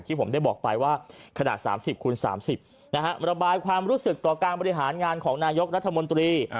ผมได้บอกไปว่าขนาด๓๐คูณ๓๐ระบายความรู้สึกต่อการบริหารงานของนายกรัฐมนตรี